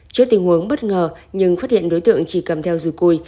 trước tình huống bất ngờ nhưng phát hiện đối tượng chỉ cầm theo rủi quy